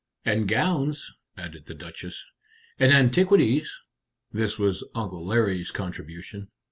"And gowns," added the Duchess. "And antiquities." this was Uncle Larry's contribution.